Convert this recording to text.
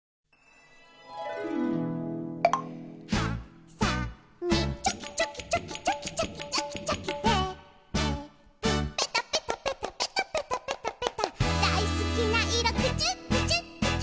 「はさみチョキチョキチョキチョキチョキチョキチョキ」「テープペタペタペタペタペタペタペタ」「だいすきないろクチュクチュクチュクチュ」